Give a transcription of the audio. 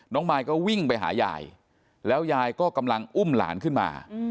มายก็วิ่งไปหายายแล้วยายก็กำลังอุ้มหลานขึ้นมา